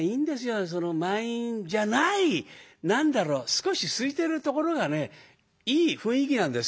満員じゃない何だろう少しすいてるところがねいい雰囲気なんです。